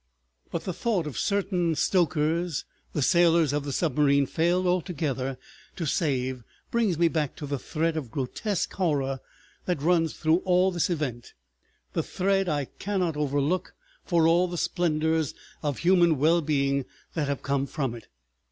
... But the thought of certain stokers the sailors of the submarine failed altogether to save brings me back to the thread of grotesque horror that runs through all this event, the thread I cannot overlook for all the splendors of human well being that have come from it.